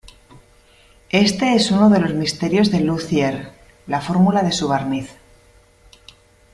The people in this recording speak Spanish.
Este es uno de los misterios del luthier: la fórmula de su barniz.